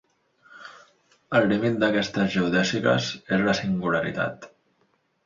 El límit d'aquestes geodèsiques és la singularitat.